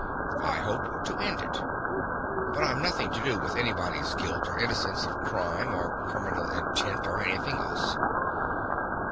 I hope to end it. But I've nothing to do with anybody's guilt or innocence of crime or criminal intent or anything else."